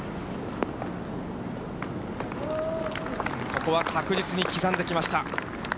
ここは確実に刻んできました。